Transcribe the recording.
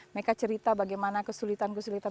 mereka cerita bagaimana kesulitan kesulitan